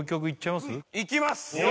いきます